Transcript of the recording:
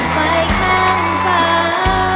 ขึ้นไปข้างฝา